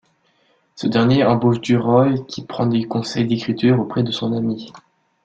Ce dernier embauche Duroy qui prend des conseils d'écriture auprès de son ami.